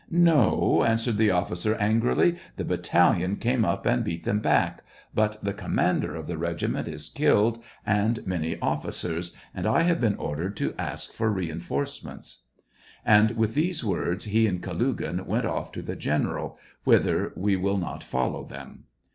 "No," answered the officer, angrily. "The battalion came up and beat them back ; but the SEVASTOPOL IN MAY. 67 commander of the regiment is killed, and many officers, and I have been ordered to ask for re enforcements. ..." And with these words he and Kalugin went off to the general, whither we will not follow them.